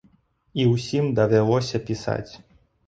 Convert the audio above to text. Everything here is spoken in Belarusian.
І ўсім давялося пісаць.